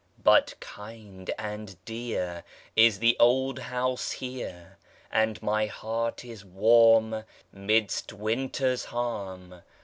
But kind and dear Is the old house here And my heart is warm Midst winter's harm.